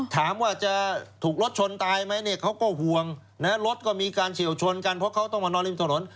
ถามว่าจะถูกรถชนตายไหมเนี่ยเขาก็ห่วงนะฮะรถก็มีการเฉียวชนกันเพราะเขาต้องมานอนริมถนน